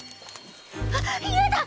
あっやだ！